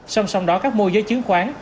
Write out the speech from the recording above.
song song đó các môi giới chứng khoán